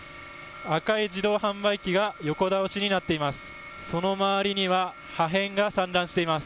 赤い自動販売機が横倒しになっています。